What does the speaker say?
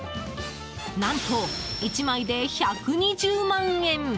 何と、１枚で１２０万円。